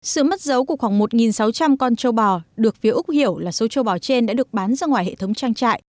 sự mất dấu của khoảng một sáu trăm linh con châu bò được phía úc hiểu là số châu bò trên đã được bán ra ngoài hệ thống trang trại